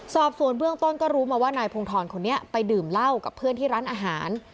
สอบส่วนเบื้องต้นก็รู้มาว่านายพงธรคนนี้ไปดื่มเหล้ากับเพื่อนที่ร้านอาหาร